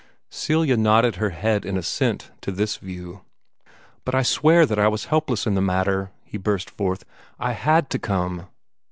Celia nodded her head in assent to this view. "But I swear that I was helpless in the matter," he burst forth. "I HAD to come!